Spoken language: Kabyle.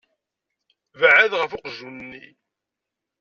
Beɛɛed ɣef uqjun-nni.